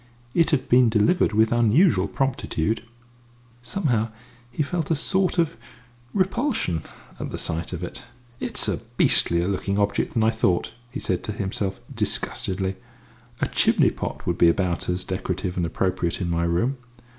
It had been delivered with unusual promptitude! Somehow he felt a sort of repulsion at the sight of it. "It's a beastlier looking object than I thought," he said to himself disgustedly. "A chimney pot would be about as decorative and appropriate in my room.